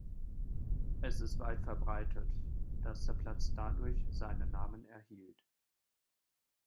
Es ist weit verbreitet, dass der Platz dadurch seinen Namen erhielt.